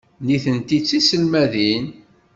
Nitenti d tiselmadin.